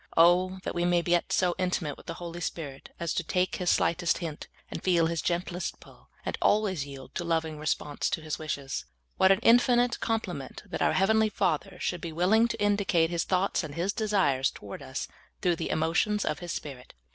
Oh, that we may get so intimate wdth the Holy Spirit as to take His slightest hint, and feel His gentlest pull, and always yield a loving response to His wishes ! What an infi nite compliment that our heavenl}^ Father should be willing to indicate His thoughts and His desires toward us through the emotions of His Spirit !